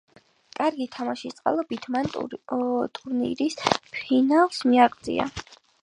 კარგი თამაშის წყალობით, მან ტურნირის ფინალს მიაღწია.